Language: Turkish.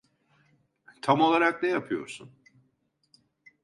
Tam olarak ne yapıyorsun?